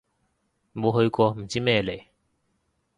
冇去過唔知咩嚟